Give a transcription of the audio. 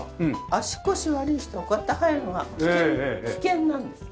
足腰悪い人こうやって入るのが危険なんです。